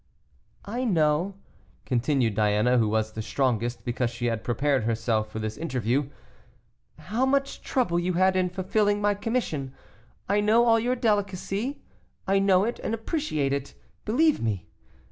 "I know," continued Diana, who was the strongest, because she had prepared herself for this interview, "how much trouble you had in fulfilling my commission; I know all your delicacy; I know it and appreciate it, believe me.